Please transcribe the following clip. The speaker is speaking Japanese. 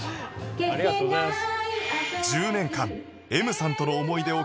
ありがとうございます。